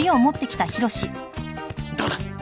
どうだ？